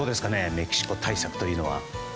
メキシコ対策というのは。